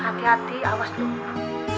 hati hati awas dulu